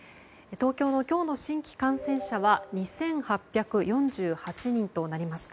東京の今日の新規感染者は２８４８人となりました。